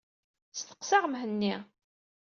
Steqseɣ Mhenni.